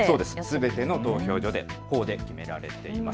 すべての投票所で法で決められています。